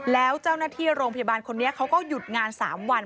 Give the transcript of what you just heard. แล้วเจ้าหน้าที่โรงพยาบาลคนนี้เขาก็หยุดงาน๓วัน